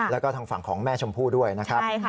แล้วก็ทางฝั่งของแม่ชมพู่ด้วยนะครับ